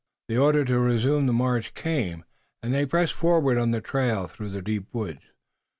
The order to resume the march came, and they pressed forward on the trail through the deep woods.